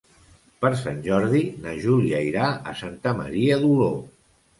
Per Sant Jordi na Júlia irà a Santa Maria d'Oló.